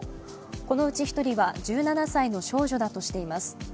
このうち１人は１７歳の少女だとしています。